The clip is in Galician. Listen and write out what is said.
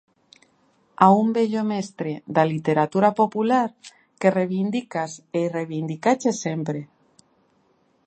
A un vello mestre da literatura popular, que reivindicas e reivindicaches sempre.